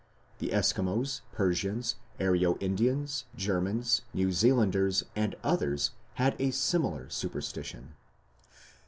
The Eskimos, Persians, Aryo Indians, Germans, New Zealanders, and others had a similar superstition.